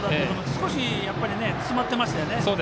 少し詰まってましたよね。